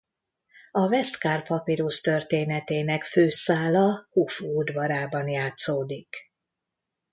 A Westcar-papirusz történetének fő szála Hufu udvarában játszódik.